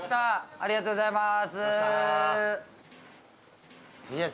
ありがとうございます。